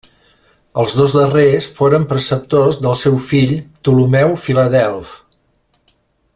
Els dos darrers foren preceptors del seu fill Ptolemeu Filadelf.